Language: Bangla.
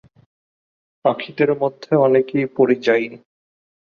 পাখিদের মধ্যে অনেকেই পরিযায়ী।